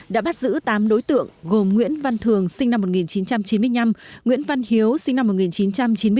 đã bắt giữ tám đối tượng gồm nguyễn văn thường sinh năm một nghìn chín trăm chín mươi năm nguyễn văn hiếu sinh năm một nghìn chín trăm chín mươi bốn